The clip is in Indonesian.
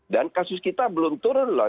dan kasus kita belum turun lah